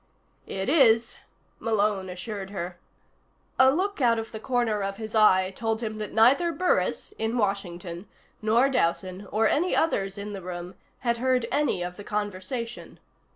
"It is," Malone assured her. A look out of the corner of his eye told him that neither Burris, in Washington, nor Dowson or any others in the room, had heard any of the conversation.